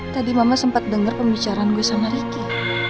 tadi mama sempat denger pembicaraan gue sama riki